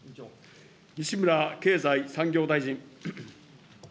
西村経済産業大臣。